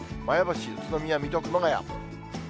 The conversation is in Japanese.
前橋、宇都宮、水戸、熊谷。